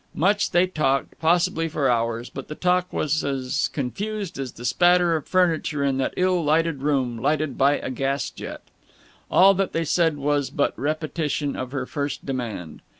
Much they talked, possibly for hours, but the talk was as confused as the spatter of furniture in that ill lighted room lighted by a gas jet. All that they said was but repetition of her first demand.